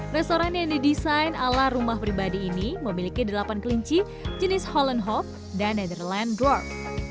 restoran yang didesain ala rumah pribadi ini memiliki delapan kelinci jenis holland hope dan netherland glor